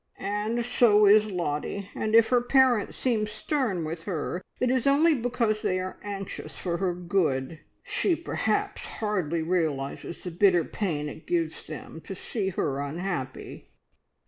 "And so is Lottie, and if her parents seem stern with her, it is only because they are anxious for her good. She perhaps hardly realises the bitter pain it gives them to see her unhappy."